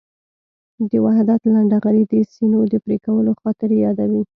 د وحدت لنډهغري د سینو د پرېکولو خاطرې یادوي.